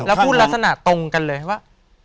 แล้วพูดลักษณะตรงกันเลยว่า